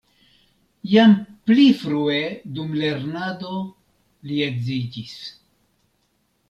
Jam pli frue dum lernado li edziĝis.